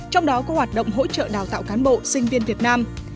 trong đó có hoạt động hỗ trợ đào tạo cán bộ sinh viên việt nam